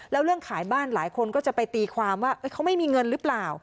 แล้วเรื่องขายบ้านหลายคนก็จะไปตีความว่าเขาไม่มีเงินหรือเปล่า